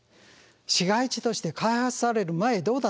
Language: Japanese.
市街地として開発される前どうだったの？